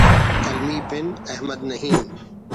قلمی پن احمد نعیم